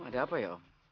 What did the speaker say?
ada apa ya om